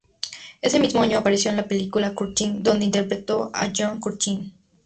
Ese mismo año apareció en la película "Curtin" donde interpretó a John Curtin.